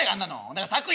だから作品。